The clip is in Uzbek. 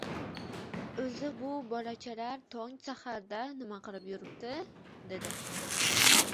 — O’zi, bu bolachalar tong saharda nima qilib yuribdi? — dedi.